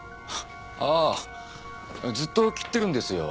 ああずっと切ってるんですよ